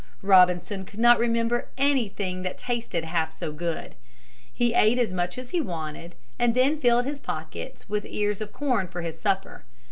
Robinson could not remember anything that tasted half so good. He ate as much as he wanted and then filled his pockets with ears of corn for his supper.